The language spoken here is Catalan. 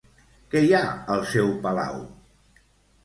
Què hi ha al seu palau?